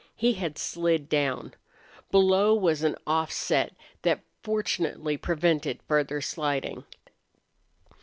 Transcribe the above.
He had slid down. Below was an offset that fortunately prevented further sliding.